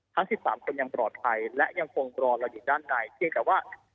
ทั้ง๑๓คนยังปลอดภัยและยังคงรอเราอยู่ด้านในเพียงแต่ว่า